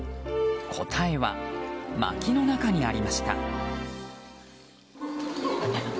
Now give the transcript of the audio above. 答えは、まきの中にありました。